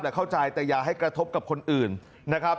และเข้าใจแต่อย่าให้กระทบกับคนอื่น